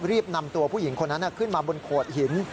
รีบนำตัวผู้หญิงคนนั้นขึ้นมาบนโขดหิน